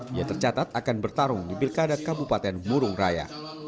dia tercatat akan bertarung di pilkada kabupaten murung raya